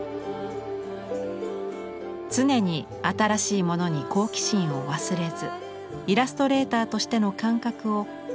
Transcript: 常に新しいものに好奇心を忘れずイラストレーターとしての感覚を磨き続けました。